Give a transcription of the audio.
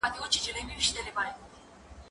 زه له سهاره کښېناستل کوم؟